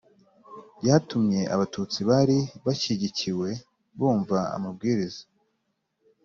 byatumye Abatutsi bari bashyigikiwe bumva amabwiriza